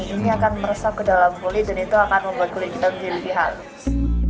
ini akan meresap ke dalam kulit dan itu akan membuat kulit kita menjadi lebih halus